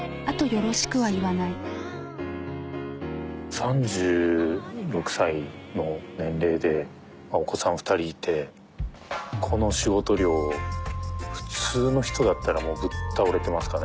３６歳の年齢でお子さん２人いてこの仕事量普通の人だったらもうぶっ倒れてますかね？